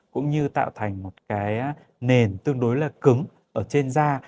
cũng như tạo thành một cái nền tương đối là cứng ở trên da